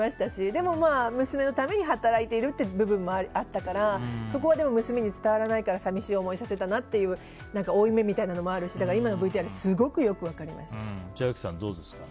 でも、娘のために働いている部分もあったからそこは娘に伝わらないから寂しい思いをさせたなという負い目みたいなのもあるし今のＶＴＲは千秋さん、どうですか？